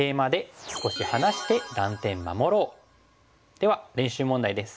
では練習問題です。